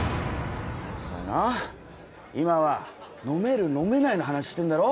それにな今は飲める飲めないの話してんだろ？